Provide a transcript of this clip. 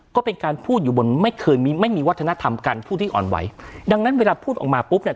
ก็เป็นการพูดอยู่บนไม่เคยมีไม่มีวัฒนธรรมการพูดที่อ่อนไหวดังนั้นเวลาพูดออกมาปุ๊บเนี่ย